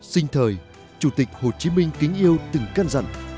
sinh thời chủ tịch hồ chí minh kính yêu từng cân dặn